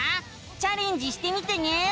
チャレンジしてみてね！